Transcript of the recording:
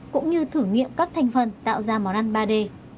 cũng như thử nghiệm các thành phần tạo ra món ăn ba d